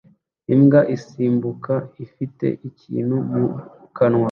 Imbwa isimbuka ifite ikintu mu kanwa